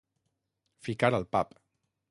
Ficar al pap.